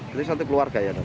jadi satu keluarga ya